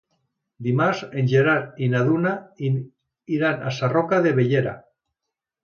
Dimarts en Gerard i na Duna iran a Sarroca de Bellera.